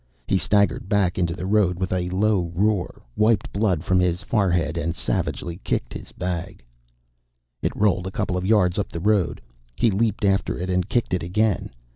He staggered back into the road with a low roar, wiped blood from his forehead, and savagely kicked his bag. It rolled a couple of yards up the road. He leaped after it and kicked it again.